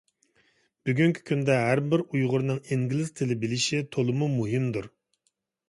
بۈگۈنكى كۈندە ھەر بىر ئۇيغۇرنىڭ ئىنگلىز تىلى بىلىشى تولىمۇ مۇھىمدۇر.